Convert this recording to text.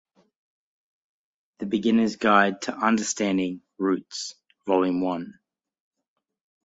The Beginners Guide to Understanding the Roots, Volume One.